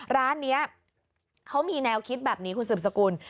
ร้านนี้เขามีแนวคิดแบบนี้คุณสืบสกุล